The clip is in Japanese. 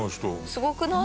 すごくない？